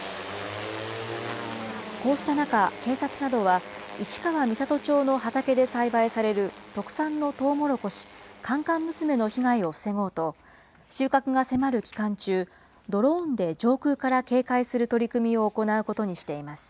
こうした中、警察などは市川三郷町の畑で栽培される特産のとうもろこし、甘々娘の被害を防ごうと、収穫が迫る期間中、ドローンで上空から警戒する取り組みを行うことにしています。